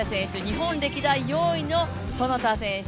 日本歴代４位の其田選手